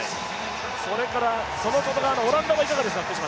それからその外側のオランダはいかがですか。